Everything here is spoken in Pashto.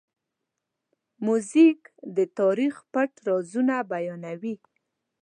موزیک د تاریخ پټ رازونه بیانوي.